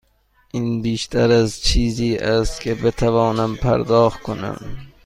این بیشتر از چیزی است که بتوانم پرداخت کنم.